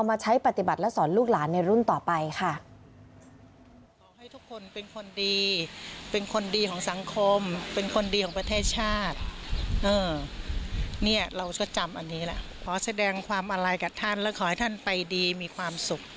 มาใช้ปฏิบัติและสอนลูกหลานในรุ่นต่อไปค่ะ